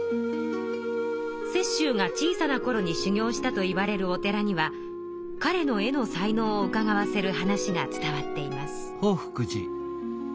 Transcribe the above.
雪舟が小さなころに修行したといわれるお寺にはかれの絵の才能をうかがわせる話が伝わっています。